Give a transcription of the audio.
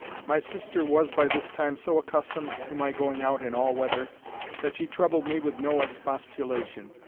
My sister was, by this time, so accustomed to my going out in all weathers, that she troubled me with no expostulation.